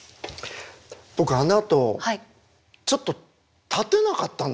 僕あのあとちょっと立てなかったんですよ。